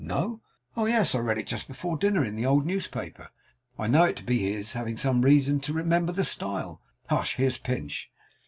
'No.' 'Oh, yes. I read it just before dinner in the old newspaper. I know it to be his; having some reason to remember the style. Hush! Here's Pinch.